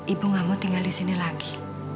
ibu kamu tinggal di sini lagi